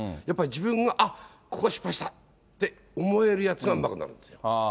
やっぱり自分が、あっ、ここ失敗したって思えるやつがうまくなるんですよ。